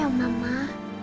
nanti aku liat